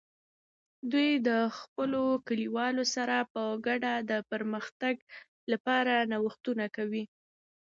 دوی د خپلو کلیوالو سره په ګډه د پرمختګ لپاره نوښتونه کوي.